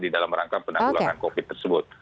di dalam rangka penanggulangan covid tersebut